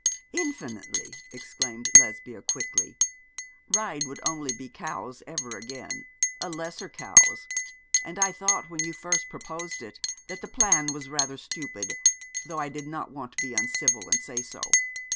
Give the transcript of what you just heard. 'Infinitely,' exclaimed Lesbia, quickly. 'Ryde would only be Cowes ever again a lesser Cowes; and I thought when you first proposed it that the plan was rather stupid, though I did not want to be uncivil and say so.